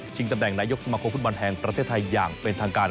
ตำแหน่งนายกสมาคมฟุตบอลแห่งประเทศไทยอย่างเป็นทางการ